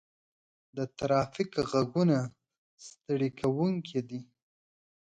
د ترافیک غږونه ستړي کوونکي دي.